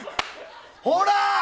ほら！